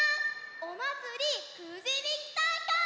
おまつりくじびきたいかい！